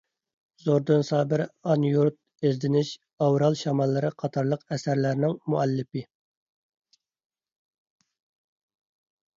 زوردۇن سابىر «ئانا يۇرت»، «ئىزدىنىش»، «ئاۋرال شاماللىرى» قاتارلىق ئەسەرلەرنىڭ مۇئەللىپى.